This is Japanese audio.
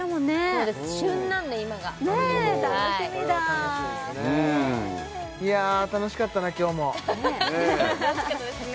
そうです旬なんで今がねえ楽しみだ楽しみですねいや楽しかったな今日も楽しかったですね